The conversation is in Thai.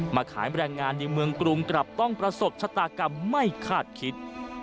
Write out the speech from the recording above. ขายแรงงานในเมืองกรุงกลับต้องประสบชะตากรรมไม่คาดคิด